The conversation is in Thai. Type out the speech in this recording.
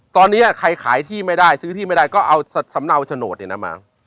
ตอนนี้ใครขายที่ไม่ได้ซื้อที่ไม่ได้ก็เอาสำเนาโฉนดมา